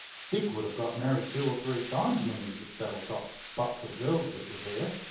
Dick would have got married two or three times while he was at Saddletop, but for the girls that were there.